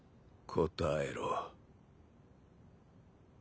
答えろ。